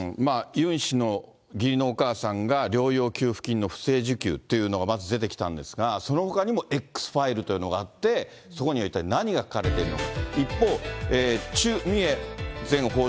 ユン氏の義理のお母さんが療養給付金の不正受給っていうのがまず出てきたんですが、そのほかにもＸファイルというのがあって、そこには一体何が書かれているのか。